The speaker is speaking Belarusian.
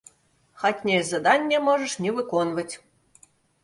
Хатняе заданне можаш не выконваць.